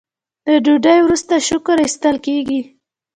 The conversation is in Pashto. د ډوډۍ وروسته شکر ایستل کیږي.